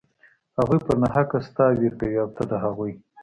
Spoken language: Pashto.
هغوى پر ناحقه ستا وير کوي او ته د هغوى.